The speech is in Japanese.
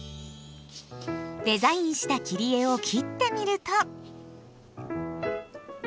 デザインした切り絵を切ってみると。